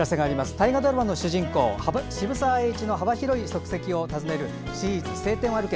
大河ドラマの主人公・渋沢栄一の幅広い足跡を訪ねるシリーズ「青天を歩け！」。